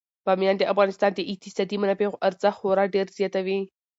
بامیان د افغانستان د اقتصادي منابعو ارزښت خورا ډیر زیاتوي.